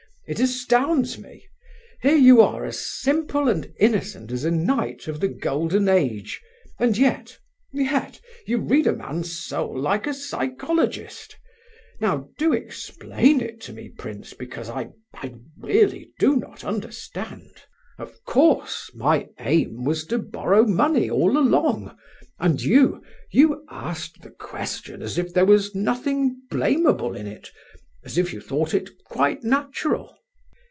It astounds me! Here you are, as simple and innocent as a knight of the golden age, and yet... yet... you read a man's soul like a psychologist! Now, do explain it to me, prince, because I... I really do not understand!... Of course, my aim was to borrow money all along, and you... you asked the question as if there was nothing blameable in it—as if you thought it quite natural."